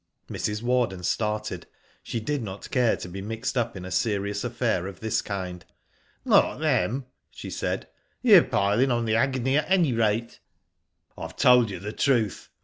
Mrs. Warden started. She did not care to be mixed up in a serious affair of this kind. *'Not them," she said. '^ You're piling on the agony at any rate." *'I have told you the truth.